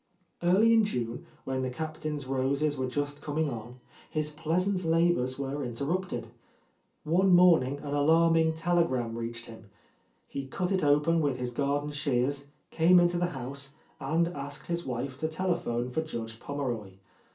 Early in June, when the Captain's roses were just coming on, his pleasant labors were inter rupted. One morning an alarming telegram reached him. He cut it open with his garden shears, came into the house, and asked his wife to telephone for Judge Pommeroy.